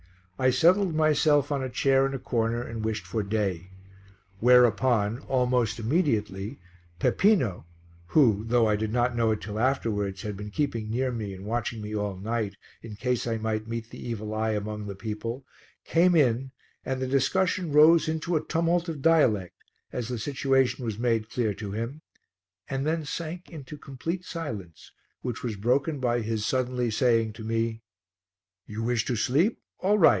I settled myself on a chair in a corner and wished for day. Whereupon, almost immediately, Peppino, who, though I did not know it till afterwards, had been keeping near me and watching me all night in case I might meet the evil eye among the people, came in and the discussion rose into a tumult of dialect, as the situation was made clear to him, and then sank into complete silence which was broken by his suddenly saying to me "You wish to sleep? All right.